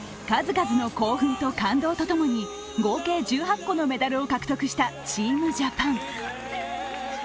数々の興奮と感動とともに合計１８個のメダルを獲得したチームジャパン。